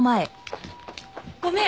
ごめん！